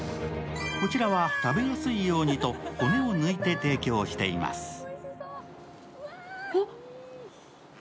こちらは、食べやすいようにと骨を抜いて提供しています。